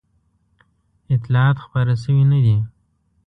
اطلاعات خپاره شوي نه دي.